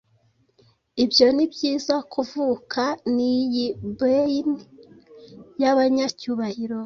Ibyo nibyiza kuvuka niyi bairn yabanyacyubahiro